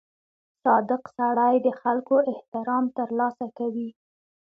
• صادق سړی د خلکو احترام ترلاسه کوي.